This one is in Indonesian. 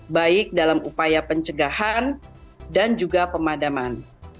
baik dalam upaya pencegahan dan juga pemadaman